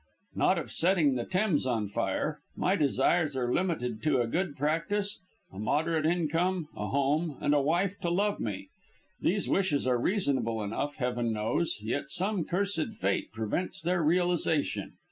"Not of setting the Thames on fire. My desires are limited to a good practice, a moderate income, a home, and a wife to love me. These wishes are reasonable enough, Heaven knows, yet some cursed Fate prevents their realisation.